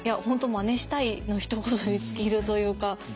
本当まねしたいのひと言に尽きるというか。